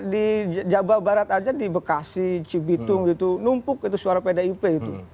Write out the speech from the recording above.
di jawa barat aja di bekasi cibitung gitu numpuk itu suara pdip itu